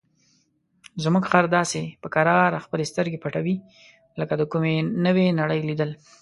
زموږ خر داسې په کراره خپلې سترګې پټوي لکه د کومې نوې نړۍ لیدل.